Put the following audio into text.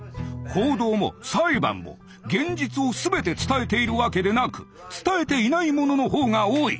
報道も裁判も現実を全て伝えているわけでなく伝えていないものの方が多い。